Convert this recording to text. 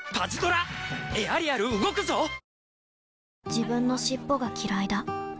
自分の尻尾がきらいだ